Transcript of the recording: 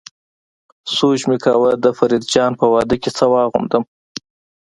سوچ مې کاوه د فريد جان په واده کې څه واغوندم.